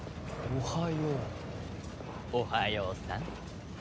おはようさん。